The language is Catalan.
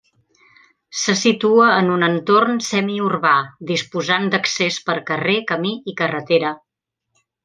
Se situa en un entorn semiurbà, disposant d'accés per carrer, camí i carretera.